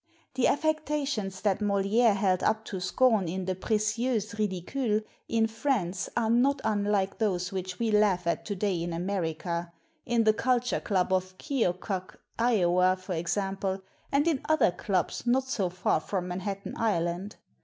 The affectations that Moliere held up to scorn in the 'Precieuses Ridicules' in France are not unlike those which we laugh at today in Amer ica, in the "Culture Club of Keokuk, la.," for example, and in other clubs, not so far from Manhattan Island.